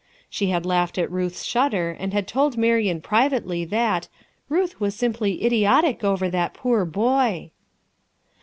She had laughed at Ruth's shudder and had told Marian privately that "Ruth was simply idiotic over that poor boy."